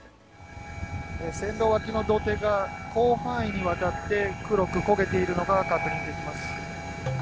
線路脇の土手が広範囲にわたって黒く焦げているのが確認できます。